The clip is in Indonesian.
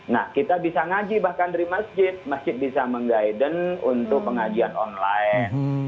nah kita bisa ngaji bahkan dari masjid masjid bisa meng guidance untuk pengajian online